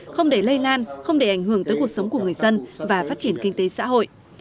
không để lây lan không để ảnh hưởng tới cuộc sống của người dân và phát triển kinh tế xã hội